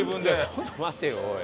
ちょっと待ってよおい。